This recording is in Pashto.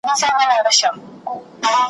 بیرته منصوري ځنځیر له ښار څخه ایستلی یم ,